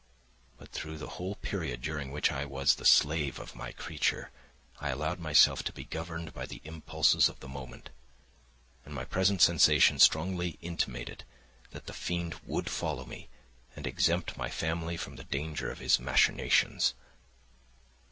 But through the whole period during which I was the slave of my creature I allowed myself to be governed by the impulses of the moment; and my present sensations strongly intimated that the fiend would follow me and exempt my family from the danger of his machinations.